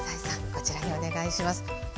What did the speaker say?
こちらにお願いします。